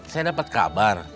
saya dapet kabar